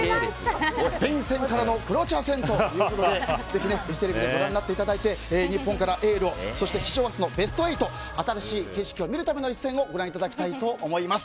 スペイン戦からのクロアチア戦ということでぜひフジテレビでご覧になっていただいて日本からエールをそして、史上初のベスト８新しい景色を見るための一戦をご覧いただきたいと思います。